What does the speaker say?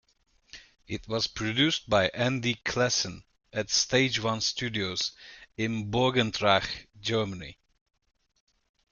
It was produced by Andy Classen at Stage One studios in Borgentreich, Germany.